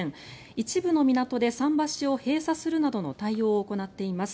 一部の港で桟橋を閉鎖するなどの対応を行っています。